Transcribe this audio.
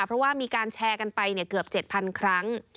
เพราะว่ามีการแชร์กันไปเกือบ๗๐๐ครั้ง